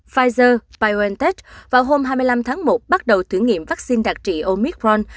pfizer biontech vào hôm hai mươi năm tháng một bắt đầu thử nghiệm vaccine đặc trị omicron